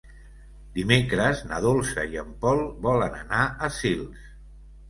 Dimecres na Dolça i en Pol volen anar a Sils.